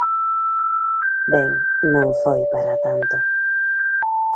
Ben, non foi para tanto.